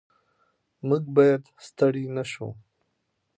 موږ باید ستړي نه شو.